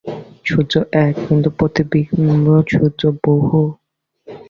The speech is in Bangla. সূর্য এক, কিন্তু প্রতিবিম্ব-সূর্য বহু।